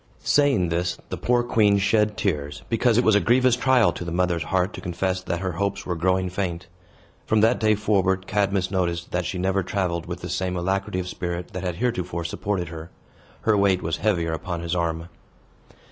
Saying this, the poor queen shed tears, because it was a grievous trial to the mother's heart to confess that her hopes were growing faint. From that day forward, Cadmus noticed that she never traveled with the same alacrity of spirit that had heretofore supported her. Her weight was heavier upon his arm.